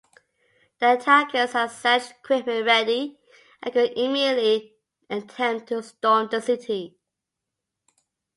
The attackers had siege equipment ready and could immediately attempt to storm the city.